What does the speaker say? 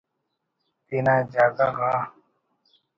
تینا جاگہ غا